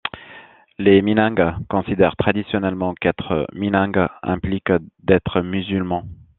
Les Minang considèrent traditionnellement qu'être Minang implique d'être musulman.